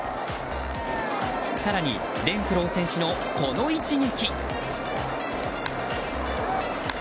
更にレンフロー選手のこの一撃。